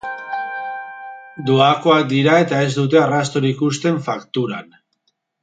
Doakoak dira eta ez dute arrastorik uzten fakturan.